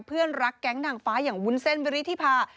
เพื่อนรักแก๊งนางฟ้าอย่างวุ้นเส้นวิริธิพา